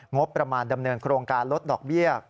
งบประมาณดำเนินโครงการลดดอกเบี้ย